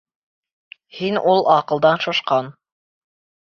Һин ул аҡылдан шашҡан!